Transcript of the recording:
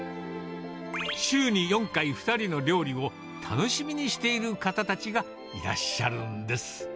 週に４回、２人の料理を楽しみにしている方たちがいらっしゃるんです。